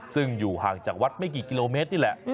ซึ่งอยู่ห่างจากวัดไม่กี่กิโลเมตรนี่แหละ